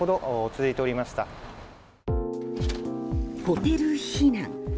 ホテル避難。